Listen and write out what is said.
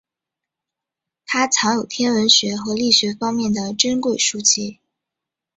他藏有天文学和力学方面的珍贵书籍。